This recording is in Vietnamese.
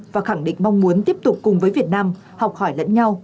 và khẳng định mong muốn tiếp tục cùng với việt nam học hỏi lẫn nhau